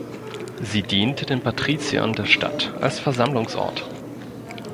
Sie diente den Patriziern der Stadt als Versammlungsort.